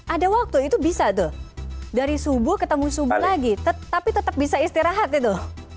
ada waktu itu bisa tuh dari subuh ketemu subuh lagi tapi tetap bisa istirahat itu